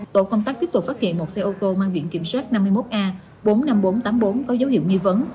tổ công tác tiếp tục phát hiện một xe ô tô mang biển kiểm soát năm mươi một a bốn mươi năm nghìn bốn trăm tám mươi bốn có dấu hiệu nghi vấn